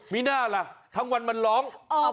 มีหน้าล่ะทั้งวันมันร้อง